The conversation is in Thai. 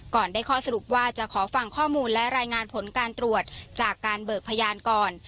ได้ข้อสรุปว่าจะขอฟังข้อมูลและรายงานผลการตรวจจากการเบิกพยานก่อน